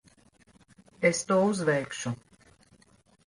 Es to uzveikšu.